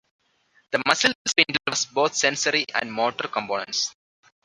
The muscle spindle has both sensory and motor components.